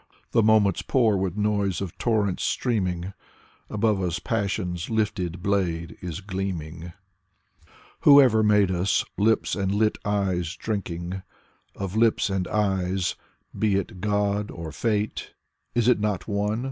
The moments pour with noise of torrents streaming: Above us passion's lifted blade is gleaming. Whoever made us, lips and lit eyes drinking Of lips and eyes, be it or God or Fate, Is it not one?